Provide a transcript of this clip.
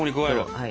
はい。